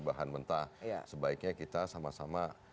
bahan mentah sebaiknya kita sama sama